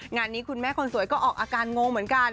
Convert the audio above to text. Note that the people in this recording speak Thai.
งานนี้คุณแม่คนสวยก็ออกอาการงงเหมือนกัน